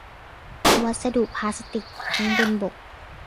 วัสดุพลาสติก ทั้งบนบก